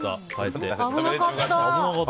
危なかった。